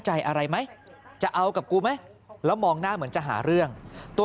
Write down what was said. ใจอะไรไหมจะเอากับกูไหมแล้วมองหน้าเหมือนจะหาเรื่องตัว